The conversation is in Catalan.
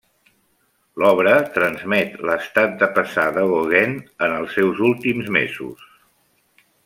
L'obra transmet l'estat de pesar de Gauguin en els seus últims mesos.